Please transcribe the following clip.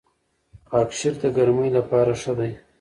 خاکشیر د ګرمۍ لپاره ښه دی.